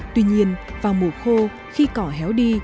tuy nhiên vào mùa khô khi cỏ héo đi